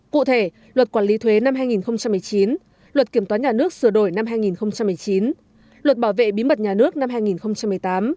cụ thể luật quản lý thuế năm hai nghìn một mươi chín luật kiểm toán nhà nước sửa đổi năm hai nghìn một mươi chín luật bảo vệ bí mật nhà nước năm hai nghìn một mươi tám